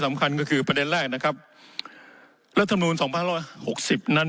สำคัญก็คือประเด็นแรกนะครับรัฐมนูลสองพันร้อยหกสิบนั้น